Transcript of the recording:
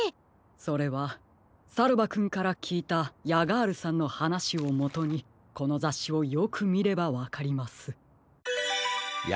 それはさるばくんからきいたヤガールさんのはなしをもとにこのざっしをよくみればわかります。